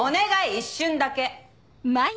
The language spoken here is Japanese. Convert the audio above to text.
一瞬だけ。